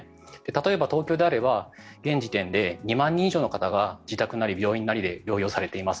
例えば東京であれば現時点で２万人以上の方が療養されています。